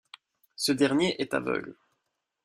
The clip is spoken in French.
Ce dernier est aveugle.